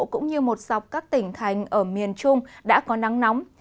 cũng như một dọc các tỉnh thành ở miền trung đã có nắng nóng